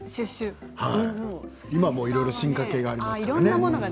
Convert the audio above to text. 今、いろいろ進化形がありますからね。